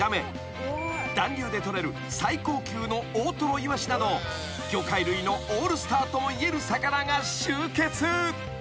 ［暖流で取れる最高級の大とろいわしなど魚介類のオールスターともいえる魚が集結］